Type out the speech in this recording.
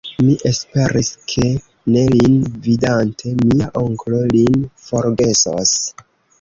Mi esperis, ke, ne lin vidante, mia onklo lin forgesos.